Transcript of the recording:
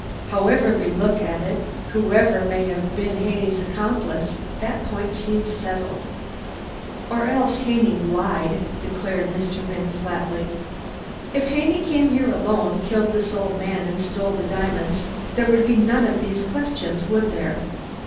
However we look at it, whoever may have been Haney's accomplice, that point seems settled." "Or else Haney lied," declared Mr. Wynne flatly. "If Haney came here alone, killed this old man and stole the diamonds there would be none of these questions, would there?"